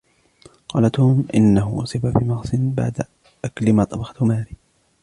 قال توم انه اصيب بمغص بعد اكل ما طبخته ماري.